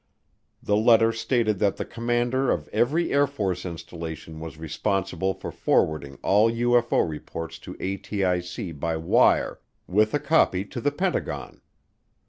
The letter stated that the commander of every Air Force installation was responsible for forwarding all UFO reports to ATIC by wire, with a copy to the Pentagon.